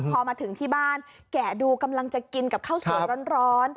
พอมาถึงที่บ้านแกะดูกำลังจะกินกับข้าวสวยร้อน